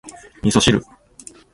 味噌汁